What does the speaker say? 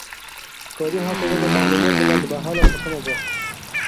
کاري حافظه د معلوماتو لنډمهاله ساتنه ده.